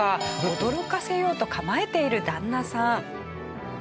驚かせようと構えている旦那さん。